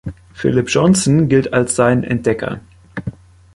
Philip Johnson gilt als sein Entdecker.